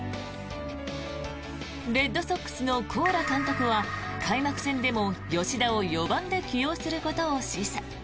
レッドソックスのコーラ監督は開幕戦でも吉田を４番で起用することを示唆。